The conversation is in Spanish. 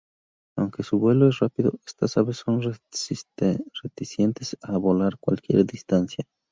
Aunque su vuelo es rápido, estas aves son reticentes a volar cualquier distancia.